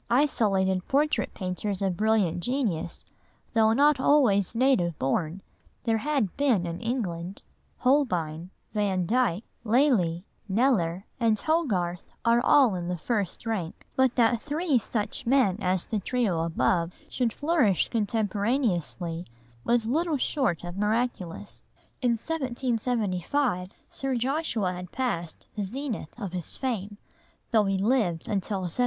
Isolated portrait painters of brilliant genius, though not always native born, there had been in England,—Holbein, Vandyke, Lely, Kneller, and Hogarth are all in the first rank,—but that three such men as the trio above should flourish contemporaneously was little short of miraculous. In 1775, Sir Joshua had passed the zenith of his fame, though he lived until 1792.